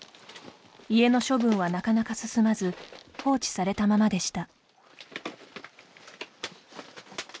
家の処分はなかなか進まず放置されたままでした。